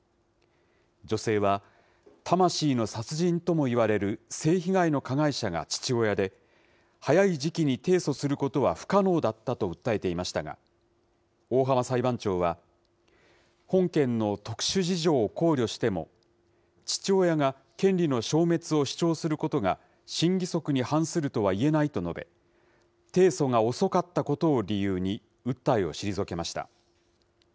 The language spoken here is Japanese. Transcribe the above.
女性は、魂の殺人ともいわれる性被害の加害者が父親で、早い時期に提訴することは不可能だったと訴えていましたが、大浜裁判長は、本件の特殊事情を考慮しても、父親が権利の消滅を主張することが信義則に反するとはいえないと述べ、提訴が遅かったことを理由に訴えを退けました。